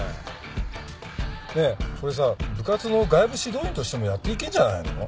ねえこれさ部活の外部指導員としてもやっていけんじゃないの？